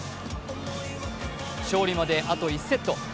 勝利まであと１セット。